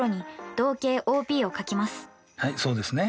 はいそうですね。